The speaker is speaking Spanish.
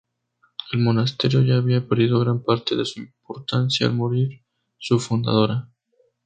El monasterio ya había perdido gran parte de su importancia al morir su fundadora.